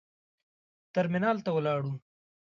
ترمینال ته ولاړو.